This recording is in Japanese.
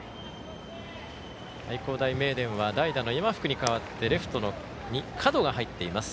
愛工大名電は代打の今福に代わってレフトに角が入っています。